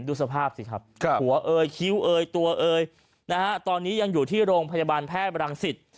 ดูสภาพสิครับหัวเอยคิ้วเอยตัวเอยนะฮะตอนนี้ยังอยู่ที่โรงพยาบาลแพทย์รังสิต